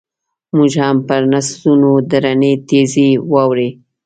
موږ هم پرنسونو درنې تیږې واړولې.